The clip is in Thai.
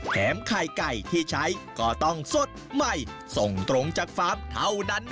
ไข่ไก่ที่ใช้ก็ต้องสดใหม่ส่งตรงจากฟาร์มเท่านั้น